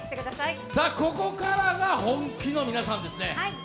ここからが本気の皆さんですね。